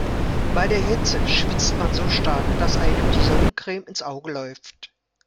Bei der Hitze schwitzt man so stark, dass einem die Sonnencreme ins Auge läuft.